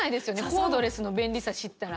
コードレスの便利さ知ったら。